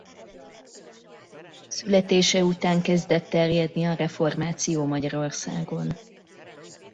Születése után kezdett terjedni a reformáció Magyarországon.